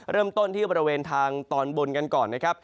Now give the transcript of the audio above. เริ่มต้นที่บริเวณทางตอนบนกันก่อนนะครับ